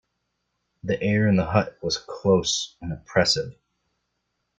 The air in the hut was close and oppressive.